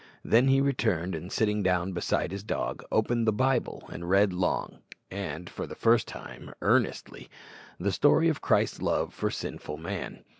Then he returned, and, sitting down beside his dog, opened the Bible and read long and, for the first time, earnestly the story of Christ's love for sinful man.